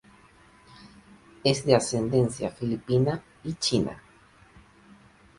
Es de ascendencia filipina y china.